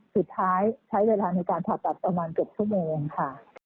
สุดท้ายใช้เวลาในการผ่าตัดประมาณเกือบชั่วโมงค่ะ